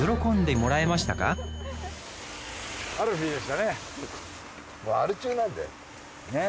もうアル中なんだよ。ねぇ。